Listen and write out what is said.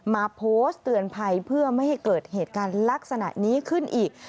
มาโพสต์เตือนภัยเพื่อไม่ให้เกิดเหตุการณ์ลักษณะนี้ขึ้นอีก